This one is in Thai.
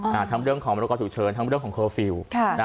ทั้งเรื่องของมรกต่อถูกเชิญทั้งเรื่องของเคอร์ฟิล